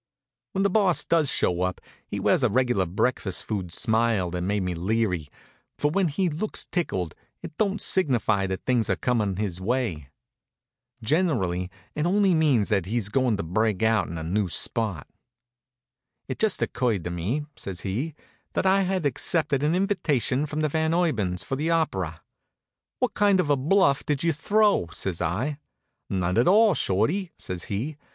When the Boss does show up he wears a regular breakfast food smile that made me leary, for when he looks tickled it don't signify that things are coming his way. Generally it only means that he's goin' to break out in a new spot. "It just occurred to me," says he, "that I had accepted an invitation from the Van Urbans for the opera." "What kind of a bluff did you throw?" says I. "None at all, Shorty," says he.